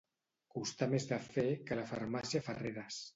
Costar més de fer que la farmàcia Ferreres.